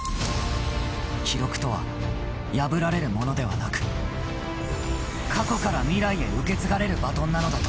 記録とは破られるものではなく過去から未来に受け継がれるバトンなのだと。